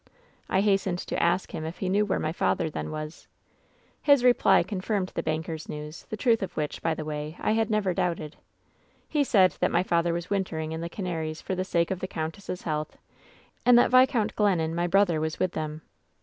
"I hastened to ask him if he knew where my father then was. "His reply confirmed the banker^s news — ^the truth of which, by the way, I had never doubted. "He said that my father was wintering in the Cana ries for the sake of the countess' health, and that Vis count Glennon, my brother, was with them.